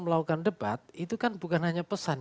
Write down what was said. melakukan debat itu kan bukan hanya pesan